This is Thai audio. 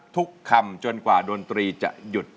ทุกคำจนกว่าดนตรีจะหยุด